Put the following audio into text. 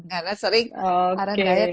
karena sering para diet sayurnya lupa